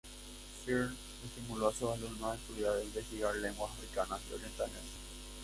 Firth estimuló a sus alumnos a estudiar e investigar lenguas africanas y orientales.